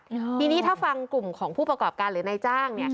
ทีนี้ถ้าฟังกลุ่มของผู้ประกอบการหรือนายจ้าง